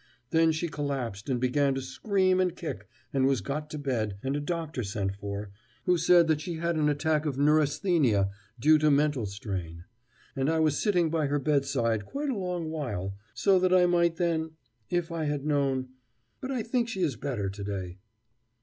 Then she collapsed and began to scream and kick, was got to bed, and a doctor sent for, who said that she had an attack of neurasthenia due to mental strain. And I was sitting by her bedside quite a long while, so that I might then if I had known But I think she is better to day."